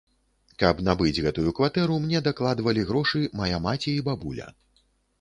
Каб набыць гэтую кватэру, мне дакладвалі грошы мая маці і бабуля.